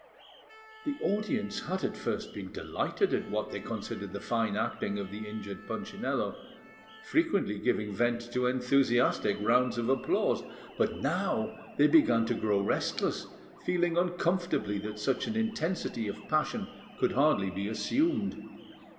The audience had at first been delighted at what they considered the fine acting of the injured Punchinello, frequently giving vent to enthusiastic rounds of applause; but now they began to grow restless, feeling uncomfortably that such an intensity of passion could hardly be assumed.